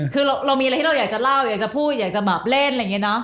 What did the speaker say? คือเรามีอะไรที่เราอยากจะเล่าอยากจะพูดอยากจะแบบเล่นอะไรอย่างนี้เนอะ